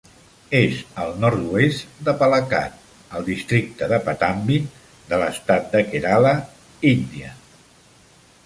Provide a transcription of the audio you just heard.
És al nord-oest de Palakkad, al districte de Pattambi, de l'estat de Kerala, Índia.